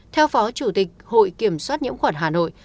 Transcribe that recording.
theo phó chủ tịch hội kiểm soát nhiễm khuẩn hà nội